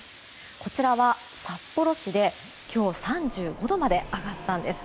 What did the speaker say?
こちらは札幌市で今日３５度まで上がったんです。